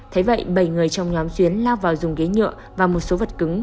thế vậy bảy người trong nhóm xuyến lao vào dùng ghế nhựa và một số vật cứng